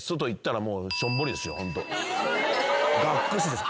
がっくしです。